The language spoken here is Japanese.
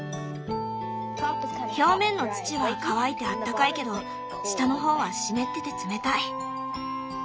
表面の土は乾いてあったかいけど下の方は湿ってて冷たい。